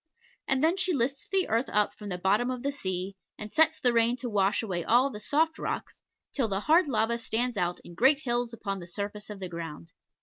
And then she lifts the earth up from the bottom of the sea, and sets the rain to wash away all the soft rocks, till the hard lava stands out in great hills upon the surface of the ground.